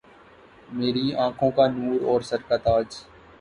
میری آنکهون کا نور أور سر کا تاج